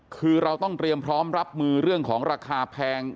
คือเราต้องเตรียมพร้อมรับมือเรื่องของราคาแพง